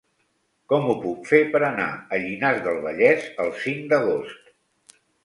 Com ho puc fer per anar a Llinars del Vallès el cinc d'agost?